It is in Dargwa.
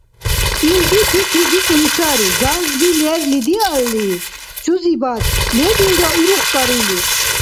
Илди пикридикӀули сари – занзби лерли диалли чузибад лебилра урухкӀар или